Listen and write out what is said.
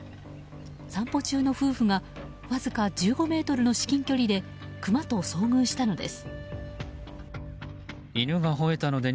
散歩中の夫婦がわずか１５ｍの至近距離でクマと遭遇したのです。